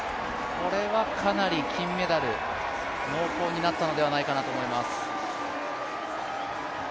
これはかなり金メダル濃厚になったのではないかなと思います。